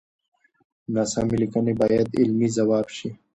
ناسمې ليکنې بايد علمي ځواب شي.